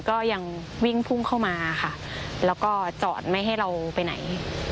ก็ยังวิ่งพุ่งเข้ามาค่ะแล้วก็จอดไม่ให้เราไปไหน